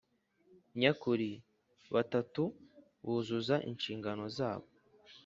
Nyakuri batatu buzuza inshingano zabo